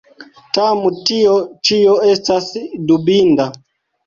Tam tio ĉio estas dubinda.